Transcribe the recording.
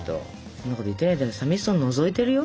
そんなこと言ってないで寂しそうにのぞいてるよ。